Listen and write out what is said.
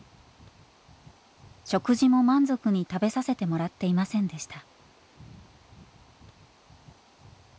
食事も満足に食べさせてもらっていませんでした。